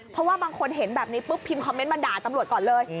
เพราะว่าบางคนเห็นแบบนี้ปุ๊บพิมพ์คอมเมนต์มาด่าตำรวจก่อนเลย